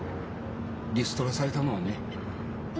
リストラされたのはね。